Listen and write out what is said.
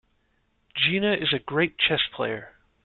Gina is a great chess player.